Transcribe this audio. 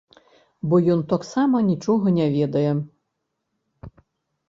Бо і ён таксама нічога не ведае.